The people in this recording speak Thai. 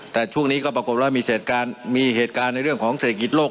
แต่ช่วงนี้ก็ปรากฏว่ามีเหตุการณ์ในเรื่องของเศรษฐกิจโลก